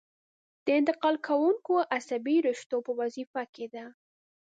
د انتقال کوونکو عصبي رشتو په وظیفه کې ده.